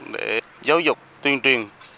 để giáo dục tuyên truyền